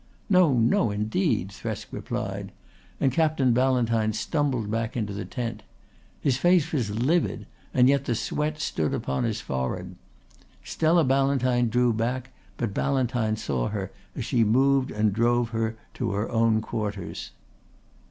"No, no indeed," Thresk replied, and Captain Ballantyne stumbled back into the tent. His face was livid, and yet the sweat stood upon his forehead. Stella Ballantyne drew back, but Ballantyne saw her as she moved and drove her to her own quarters.